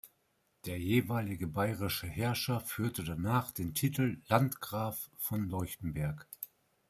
Der jeweilige bayerische Herrscher führte danach den Titel "Landgraf von Leuchtenberg".